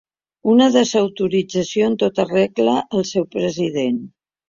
Una desautorització en tota regla al seu president.